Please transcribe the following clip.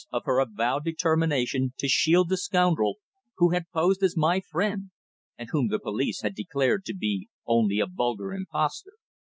of her avowed determination to shield the scoundrel who had posed as my friend, and whom the police had declared to be only a vulgar impostor.